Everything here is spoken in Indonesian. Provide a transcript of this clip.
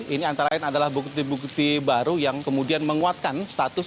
ini antara lain adalah bukti bukti baru yang kemudian menguatkan status